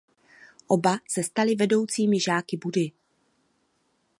Oba se stali vedoucími žáky Buddhy.